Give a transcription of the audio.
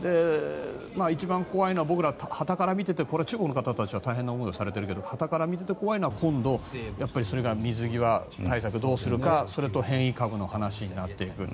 一番怖いのは、はたから見てて中国の方たちは大変な思いをされているけれども今度、水際対策どうするかそれと変異株の話になっていく。